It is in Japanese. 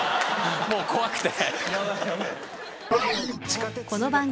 もう怖くて。